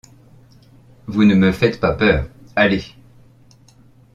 Vous ne me faites pas peur, allez.